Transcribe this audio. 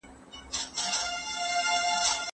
شیخه زما او ستا بدي زړه ده له ازله ده